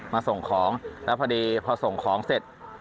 มาส่งของแล้วพอดีพอส่งของเสร็จ